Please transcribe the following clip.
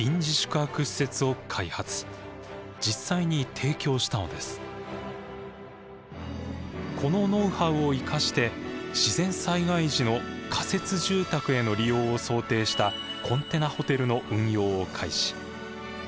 そこで急ぎこのノウハウを生かして自然災害時の仮設住宅への利用を想定したコンテナホテルの運用を開始。